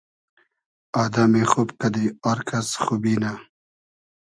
آدئمی خوب قئدی آر کئس خوبی نۂ